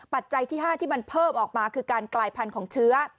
ปัจจัยที่๕ที่มันเพิ่มออกมาคือการกลายพันธุ์ของเชื้อ